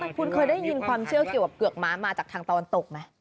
คุณเคยได้ยินความเชื่อเกี่ยวกับเกือกม้ามาจากทางตะวันตกไหม